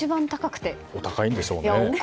お高いんでしょうね。